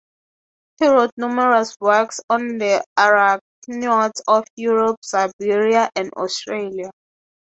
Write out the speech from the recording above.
He wrote numerous works on the arachinoids of Europe, Siberia, and Australia.